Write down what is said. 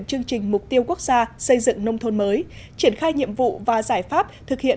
chương trình mục tiêu quốc gia xây dựng nông thôn mới triển khai nhiệm vụ và giải pháp thực hiện